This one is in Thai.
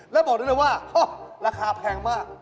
แล้วบอกได้เลยว่าราคาแพงมาก